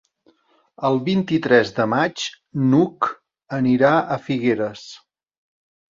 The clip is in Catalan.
El vint-i-tres de maig n'Hug anirà a Figueres.